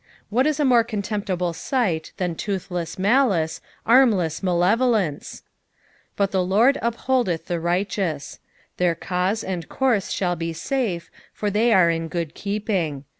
What is a more contemptible sight than toothless malice, armless malevolence !" But lAe Lord vpholdieth the righteout." Their cause and course shaU be safe, for they are in good keeping.